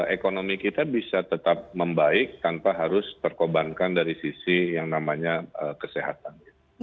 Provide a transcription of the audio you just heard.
ekonomi kita bisa tetap membaik tanpa harus terkobankan dari sisi yang namanya kesehatan